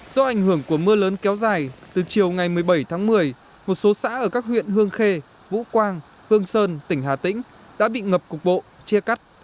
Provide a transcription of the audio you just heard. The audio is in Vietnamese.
do ảnh hưởng của mưa lớn kéo dài từ chiều ngày một mươi bảy tháng một mươi một số xã ở các huyện hương khê vũ quang hương sơn tỉnh hà tĩnh đã bị ngập cục bộ chia cắt